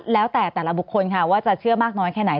แล้วแต่แต่ละบุคคลค่ะว่าจะเชื่อมากน้อยแค่ไหน